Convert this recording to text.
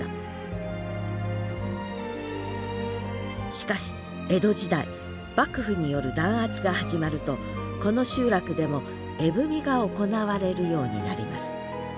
しかし江戸時代幕府による弾圧が始まるとこの集落でも絵踏が行われるようになります。